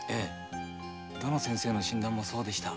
どの先生の診断もそうでした。